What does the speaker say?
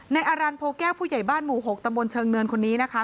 อารันโพแก้วผู้ใหญ่บ้านหมู่๖ตำบลเชิงเนินคนนี้นะคะ